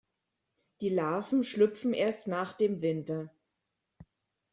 Die Larven schlüpfen erst nach dem Winter.